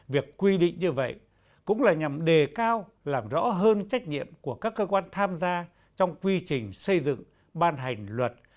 việc quy định như vậy cũng là nhằm đề cao làm rõ hơn trách nhiệm của các cơ quan tham gia trong quy trình xây dựng ban hành luật